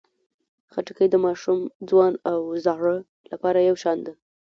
خټکی د ماشوم، ځوان او زاړه لپاره یو شان ده.